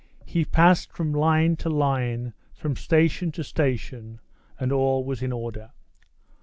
He passed from line to line, from station to station, and all was in order.